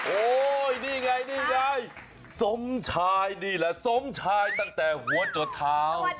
โอ้ยนี่ไงนี่ไงสมชายนี่แหละสมชายตั้งแต่หัวจดเท้า